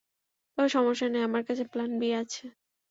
তবে সমস্যা নেই, আমার কাছে প্লান বি আছে!